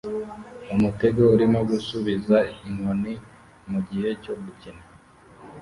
Umutego urimo gusubiza inkoni mugihe cyo gukina